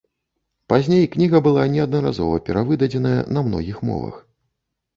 Пазней кніга была неаднаразова перавыдадзеная на многіх мовах.